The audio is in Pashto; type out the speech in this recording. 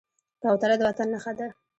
کوتره د وطن نښه ده.